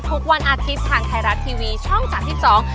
ทุกวันอาทิตย์ทางไทยรัททีวีช่อง๓๒